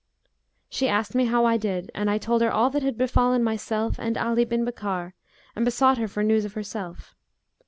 She asked me how I did, and I told her all that had befallen myself and Ali bin Bakkar and besought her for news of herself.